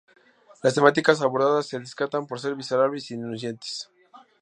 Las temáticas abordadas se destacan por ser viscerales y denunciantes.